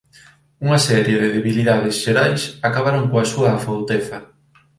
Unha serie de debilidades xerais acabaron coa súa afouteza